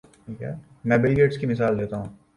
میں Bill Gates کی مثال دیتا ہوں۔